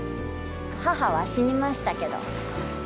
母は死にましたけど。